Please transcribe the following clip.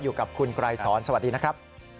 อยู่กับคุณไกรสอนสวัสดีนะครับ